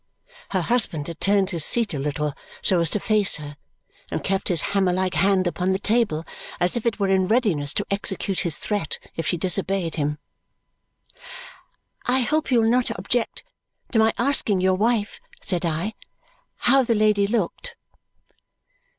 Her husband had turned his seat a little so as to face her and kept his hammer like hand upon the table as if it were in readiness to execute his threat if she disobeyed him. "I hope you will not object to my asking your wife," said I, "how the lady looked."